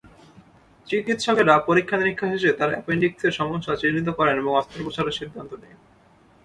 চিকিৎসকেরা পরীক্ষা-নিরীক্ষা শেষে তাঁর অ্যাপেনডিক্সের সমস্যা চিহ্নিত করেন এবং অস্ত্রোপচারের সিদ্ধান্ত নেন।